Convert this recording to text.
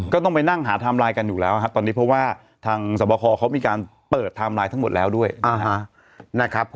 ก็ต้องไปนั่งหาไทม์ไลน์กันอยู่แล้วครับตอนนี้เพราะว่าทางสวบคอเขามีการเปิดไทม์ไลน์ทั้งหมดแล้วด้วยนะครับ